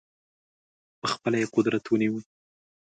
په خپله یې قدرت ونیوی.